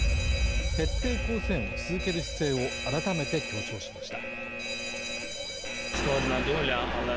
徹底抗戦を続ける姿勢を改めて強調しました。